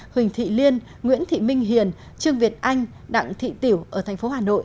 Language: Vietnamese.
huỳnh thị liên nguyễn thị minh hiền trương việt anh đặng thị tiểu ở tp hcm